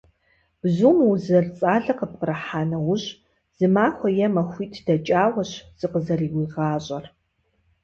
Бзум уз зэрыцӏалэ къыпкърыхьа нэужь, зы махуэ е махуитӏ дэкӏауэщ зыкъызэрыуигъащӏэр.